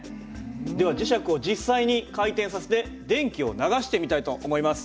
では磁石を実際に回転させて電気を流してみたいと思います。